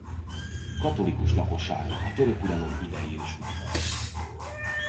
Katolikus lakossága a török uralom idején is megmaradt.